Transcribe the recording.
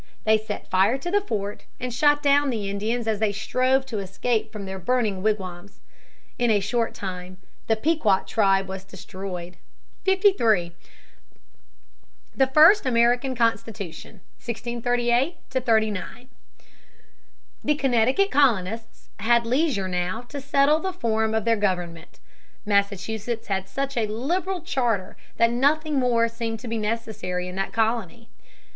They set fire to the fort, and shot down the Indians as they strove to escape from their burning wigwams. In a short time the Pequod tribe was destroyed. [Illustration: JOHN WINTHROP, JR.] [Sidenote: The Connecticut Orders of 1638 39.] 53. The First American Constitution, 1638 39. The Connecticut colonists had leisure now to settle the form of their government. Massachusetts had such a liberal charter that nothing more seemed to be necessary in that colony.